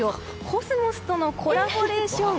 コスモスとのコラボレーション。